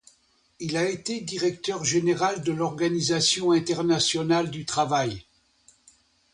Il a été directeur-général de l'Organisation internationale du travail.